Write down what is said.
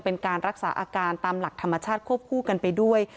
เป็นการรักษาอาการตามหลักธรรมชาติควบคู่กันไปด้วย